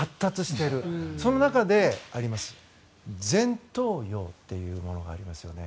その中で、前頭葉というものがありますよね。